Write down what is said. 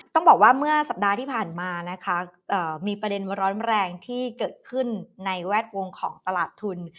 ต้องบอกว่าเมื่อสัปดาห์ที่ผ่านมานะคะมีประเด็นร้อนแรงที่เกิดขึ้นในแวดวงของตลาดทุน